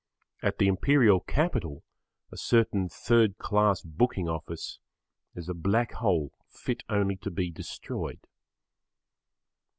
At the Imperial Capital a certain third class booking office is a Black Hole fit only to be destroyed.